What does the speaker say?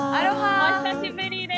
お久しぶりです。